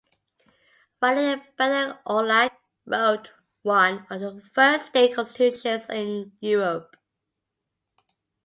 While in Bender Orlyk wrote one of the first state constitutions in Europe.